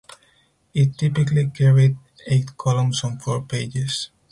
It typically carried eight columns on four pages.